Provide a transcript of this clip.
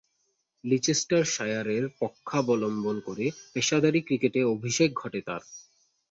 লিচেস্টারশায়ারের পক্ষাবলম্বন করে পেশাদারী ক্রিকেটে অভিষেক ঘটে তার।